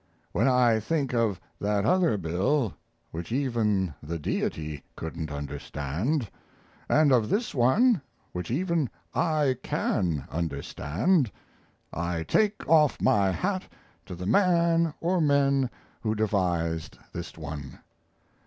When I think of that other bill, which even the Deity couldn't understand, and of this one, which even I can understand, I take off my hat to the man or men who devised this one.